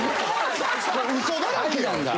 ウソだらけやん。